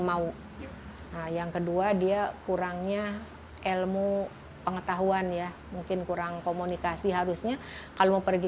mau yang kedua dia kurangnya ilmu pengetahuan ya mungkin kurang komunikasi harusnya kalau mau pergi